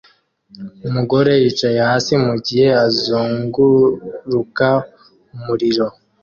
Umugore yicaye hasi mugihe azunguruka umuriro